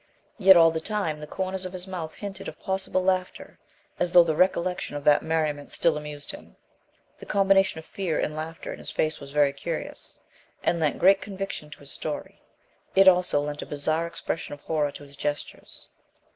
Yet, all the time, the corners of his mouth hinted of possible laughter as though the recollection of that merriment still amused him. The combination of fear and laughter in his face was very curious, and lent great conviction to his story; it also lent a bizarre expression of horror to his gestures.